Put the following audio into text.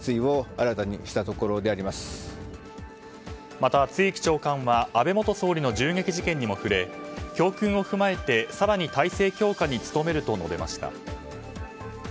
また、露木長官は安倍元総理の銃撃事件にも触れ教訓を踏まえて、更に態勢強化に努めると述べました。